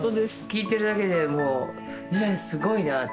聞いてるだけでもうねすごいなぁ。